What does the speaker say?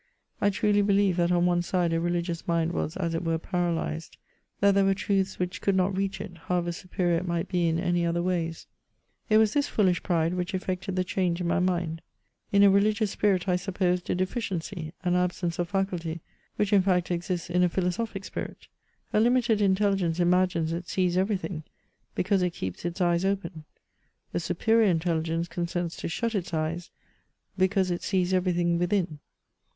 I truly bKeHeved that on one side a religious mind was as it were pandysed — that there were truths which could not reach it, however superior it might be in other ways. It was this foolish pride which effected the change in my mind ; in a reli^ous spirit I supposed a defi ciency, an absence of faculty, which in fact exists in a philosophic spirit ; a limited intelligence imagines it sees every thing, because it keeps its eyes open ; a superior intelligence consents to shut its eyes, because it sees every thing within.